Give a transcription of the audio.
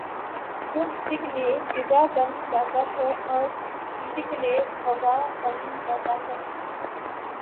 تو کسی کیلئے غذا بن جاتا ہے اور کسی کیلئے وباء بن جاتا ہے ۔